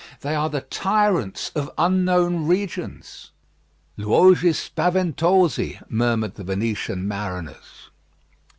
They are the tyrants of unknown regions. "Luoghi spaventosi," murmured the Venetian mariners.